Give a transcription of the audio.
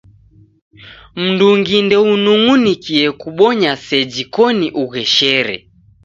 Mndungi ndeunung'unikie kubonya seji koni ugheshere.